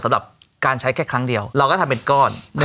สำหรับการใช้แค่ครั้งเดียวเราก็ทำเป็นก้อน